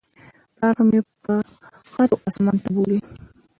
پلار خو مې پرښتو اسمان ته بولى.